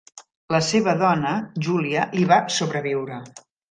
La seva dona Julia li va sobreviure.